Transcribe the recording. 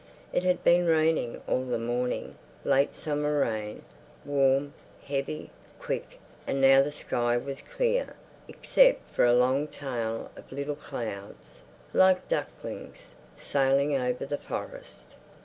It had been raining all the morning, late summer rain, warm, heavy, quick, and now the sky was clear, except for a long tail of little clouds, like ducklings, sailing over the forest.